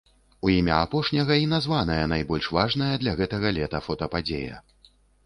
У імя апошняга і названая найбольш важная для гэтага лета фотападзея.